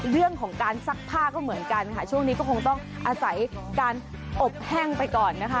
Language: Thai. เรื่องของการซักผ้าก็เหมือนกันค่ะช่วงนี้ก็คงต้องอาศัยการอบแห้งไปก่อนนะคะ